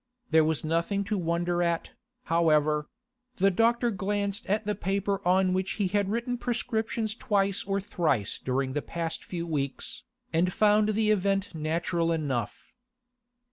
There was nothing to wonder at, however; the doctor glanced at the paper on which he had written prescriptions twice or thrice during the past few weeks, and found the event natural enough.